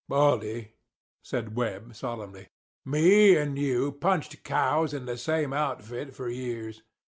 "Baldy," said Webb, solemnly, "me and you punched cows in the same outfit for years.